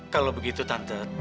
kalo begitu tante